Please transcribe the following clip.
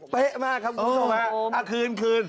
เป๊ะมากครับคุณสาวแม่คืน